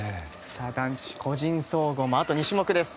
男子個人総合もあと２種目です。